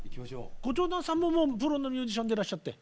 ご長男さんももうプロのミュージシャンでいらっしゃって。